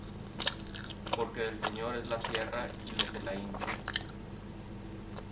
Porque del Señor es la tierra y lo que la hinche.